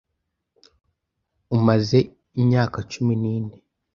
umaze imyaka cumi nine